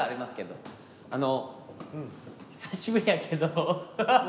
あの久しぶりやけど。